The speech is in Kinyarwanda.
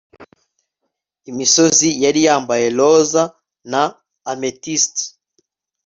Imisozi yari yambaye roza na amethyst